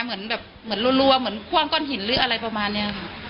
เหมือนแบบเหมือนรัวเหมือนคว่างก้อนหินหรืออะไรประมาณนี้ค่ะ